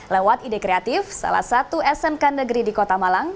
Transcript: lewat ide kreatif salah satu smk negeri di kota malang